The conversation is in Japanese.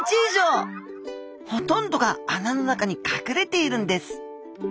ほとんどが穴の中にかくれているんです。